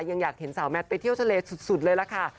ยังอยากเห็นสาวแมทไปเที่ยวทะเลสุดเลยล่ะค่ะ